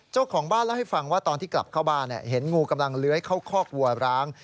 เจ้าของบ้านเล่าให้ฟังว่าตอนที่กลับเข้าบ้านเห็นงูกำลังเลื้อยเข้าคอกวัวร้าง